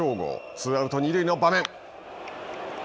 ツーアウト、二塁の場面。